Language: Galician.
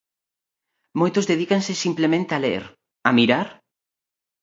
Moitos dedícanse simplemente a ler, a mirar?